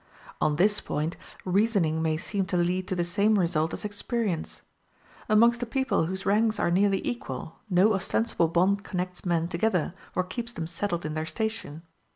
On this point reasoning may seem to lead to the same result as experience. Amongst a people whose ranks are nearly equal, no ostensible bond connects men together, or keeps them settled in their station.